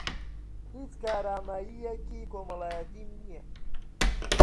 هیچ کارامەیییەکی کۆمەڵایەتیم نییە.